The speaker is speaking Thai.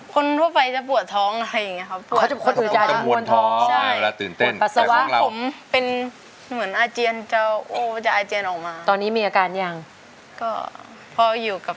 คนทั่วไปจะปวดท้องอะไรอย่างนี้ครับ